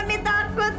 gami takut nak